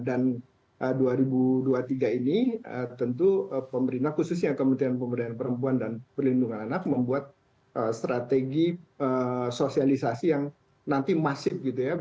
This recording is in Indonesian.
dan dua ribu dua puluh tiga ini tentu pemerintah khususnya kementerian pemberdayaan perempuan dan perlindungan anak membuat strategi sosialisasi yang nanti masif gitu ya